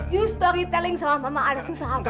you storytelling sama mama ada susah apa